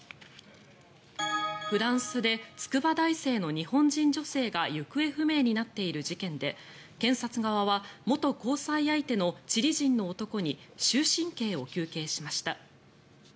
フランスで筑波大生の日本人女性が行方不明になっている事件で検察側は、元交際相手のチリ人の男に終身刑を求刑しました。